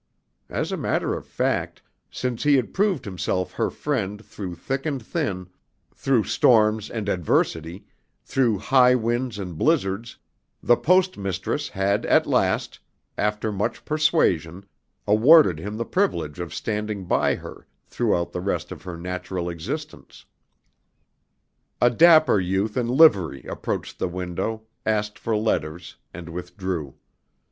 As a matter of fact, since he had proved himself her friend through thick and thin, through storms and adversity, through high winds and blizzards, the Post Mistress had at last, after much persuasion, awarded him the privilege of standing by her throughout the rest of her natural existence. A dapper youth in livery approached the window, asked for letters and withdrew.